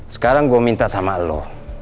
sekarang gue minta sama lo